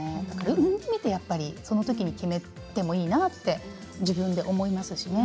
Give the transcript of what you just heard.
産んでみてそのときに決めてもいいなと自分で思いますしね。